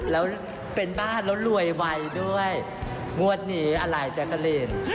แล้วเป็นบ้านแล้วรวยไวด้วยงวดนี้อะไรแจ๊กกะลีน